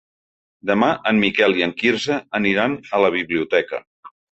Demà en Miquel i en Quirze aniran a la biblioteca.